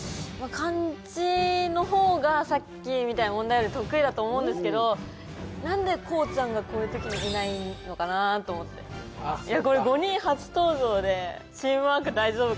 漢字の方がさっきみたいな問題より得意だと思うんですけど何でこうちゃんがこういう時にいないのかなと思っていや